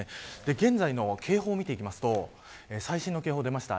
現在の警報、見ていきますと最新の警報が出ました。